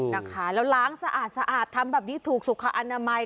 นะคะแล้วล้างสะอาดสะอาดทำแบบนี้ถูกสุขอนามัย